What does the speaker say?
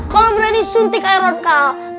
kalau berani suntik iron call